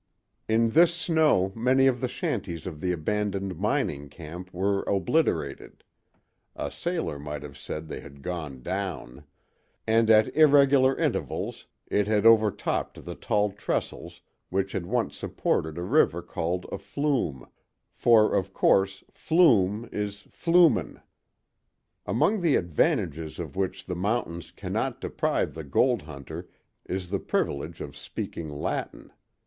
In this snow many of the shanties of the abandoned mining camp were obliterated, (a sailor might have said they had gone down) and at irregular intervals it had overtopped the tall trestles which had once supported a river called a flume; for, of course, "flume" is flumen. Among the advantages of which the mountains cannot deprive the gold hunter is the privilege of speaking Latin.